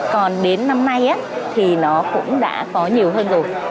còn đến năm nay thì nó cũng đã có nhiều hơn rồi